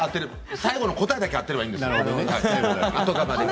最後の答えだけ当てればいいんです。